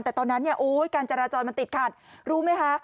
แต่ตอนนั้นการจราจรมันติดขาดรู้ไหมคะ